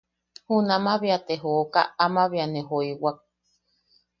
Junamaʼa bea te jooka ama bea ne joiwak.